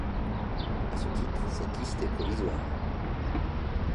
À ce titre, cette liste est provisoire.